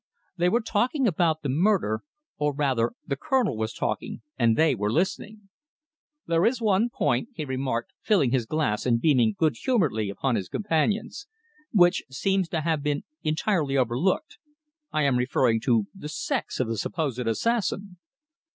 They were talking about the murder, or rather the Colonel was talking and they were listening. "There is one point," he remarked, filling his glass and beaming good humouredly upon his companions, "which seems to have been entirely overlooked. I am referring to the sex of the supposed assassin!"